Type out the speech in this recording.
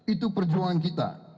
itu perjuangan kita